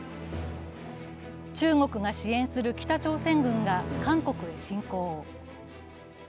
中国が支援する北朝鮮軍が韓国へ侵攻。